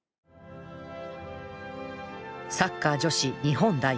サッカー女子日本代表